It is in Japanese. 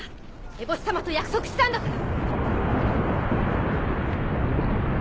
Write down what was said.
エボシ様と約束したんだから！